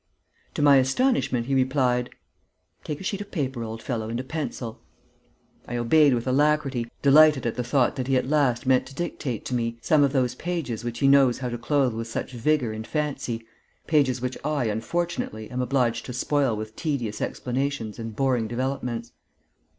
To my astonishment, he replied: "Take a sheet of paper, old fellow, and a pencil." I obeyed with alacrity, delighted at the thought that he at last meant to dictate to me some of those pages which he knows how to clothe with such vigour and fancy, pages which I, unfortunately, am obliged to spoil with tedious explanations and boring developments.